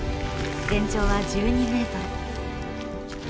全長は１２ｍ。